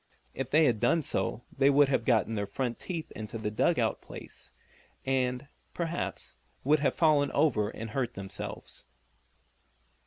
If they had done so they would have gotten their front feet into the dug out place, and, perhaps, would have fallen over and hurt themselves.